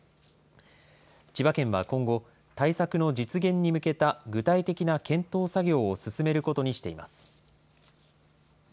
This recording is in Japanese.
千葉県は今後、対策の実現に向けた具体的な検討作業を進めることにしています。